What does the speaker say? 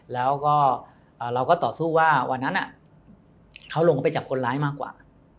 แล้วก็เราก็ต่อสู้ว่าวันนั้นเขาลงไปจับคนร้ายมากกว่า